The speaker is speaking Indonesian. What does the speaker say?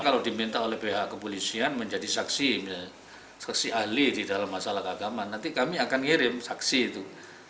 kalau diminta oleh pihak kepolisian menjadi saksi ahli di dalam masalah keagamaan nanti kami akan ngirim saksi itu